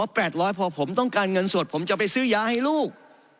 แปดร้อยพอผมต้องการเงินสดผมจะไปซื้อยาให้ลูก